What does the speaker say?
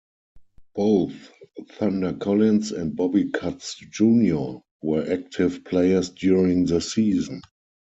Both Thunder Collins and Bobby Cutts Junior were active players during the season.